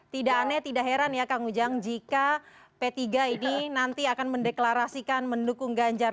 tidak aneh tidak heran ya kang ujang jika p tiga ini nanti akan mendeklarasikan mendukung ganjar